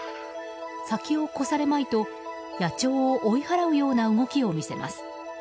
先を越されまいと、野鳥を追い払うような動きを見せます。